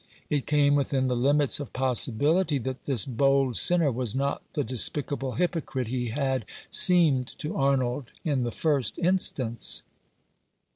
It came within the limits of possibility that this bold sinner was not the despicable hypocrite he had. seemed to Arnold in the first instance.